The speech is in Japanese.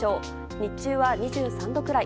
日中は２３度くらい。